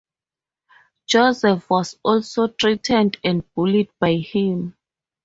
Joseph was also threatened and bullied by him.